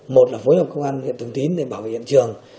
một là phối hợp công an huyện thường tín để bảo vệ hiện trường